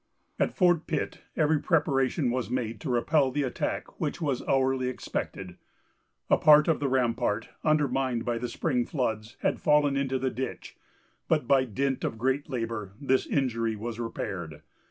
At Fort Pitt, every preparation was made to repel the attack which was hourly expected. A part of the rampart, undermined by the spring floods, had fallen into the ditch; but, by dint of great labor, this injury was repaired.